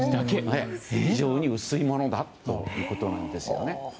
非常に薄いものだということなんですね。